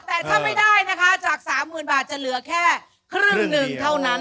แต่ถ้าไม่ได้นะคะจาก๓๐๐๐บาทจะเหลือแค่ครึ่งหนึ่งเท่านั้น